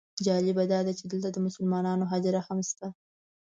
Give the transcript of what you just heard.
جالبه داده چې دلته د مسلمانانو هدیره هم شته.